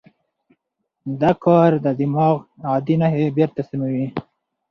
دا کار د دماغ عادي نښې بېرته سموي.